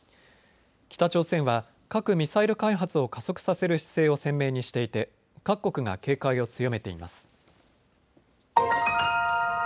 北朝鮮は核・ミサイル開発を加速させる姿勢を鮮明にしていて各国が警戒を強めています。